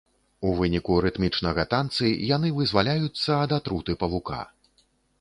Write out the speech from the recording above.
У выніку рытмічнага танцы яны вызваляюцца ад атруты павука.